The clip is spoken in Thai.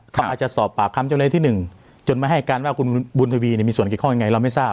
เขาอาจจะสอบปากคำจำเลยที่๑จนมาให้การว่าคุณบุญทวีมีส่วนเกี่ยวข้องยังไงเราไม่ทราบ